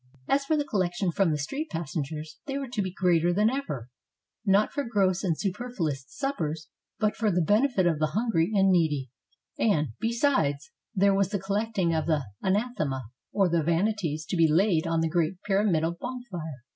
As for the collections from street passengers, they were to be greater than ever, — not for gross and superfluous suppers, but for the benefit of the hungry and needy ; and, besides, there was the col lecting of the Anathema, or the Vanities to be laid on the great pyramidal bonfire.